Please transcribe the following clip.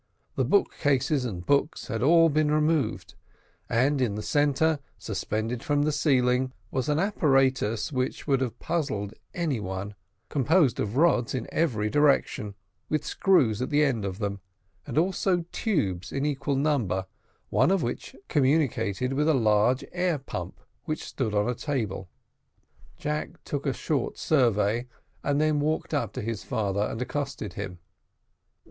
The book cases and books had all been removed, and in the centre, suspended from the ceiling, was an apparatus which would have puzzled any one, composed of rods in every direction, with screws at the end of them, and also tubes in equal number, one of which communicated with a large air pump, which stood on a table. Jack took a short survey, and then walked up to his father and accosted him.